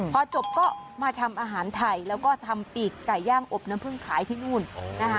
พอจบก็มาทำอาหารไทยแล้วก็ทำปีกไก่ย่างอบน้ำพึ่งขายที่นู่นนะคะ